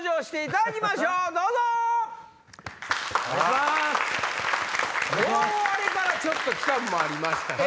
あれからちょっと期間もありましたし。